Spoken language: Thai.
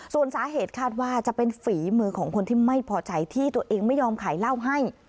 ส่วนสาเหตุคาดว่าจะเป็นฝีมือของคนที่ไม่พอใจที่ตัวเองไม่ยอมขายเหล้าให้